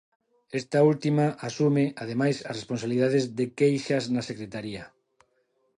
Esta última asume, ademais, as responsabilidades de Queixas na secretaría.